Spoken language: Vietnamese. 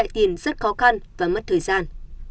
tiền rất khó khăn và mất thời gian